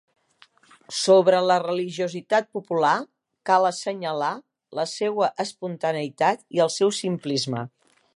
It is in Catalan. Sobre la religiositat popular cal assenyalar la seua espontaneïtat i el seu simplisme.